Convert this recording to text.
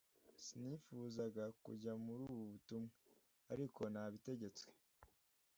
Sinifuzaga kujya muri ubu butumwa, ariko nabitegetswe.